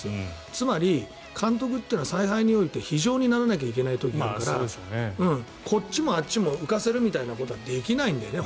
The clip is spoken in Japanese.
つまり監督というのは采配において非情にならないといけない時があるからこっちもあっちも浮かせることはできないんだよね。